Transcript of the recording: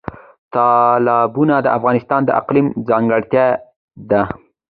تالابونه د افغانستان د اقلیم ځانګړتیا ده.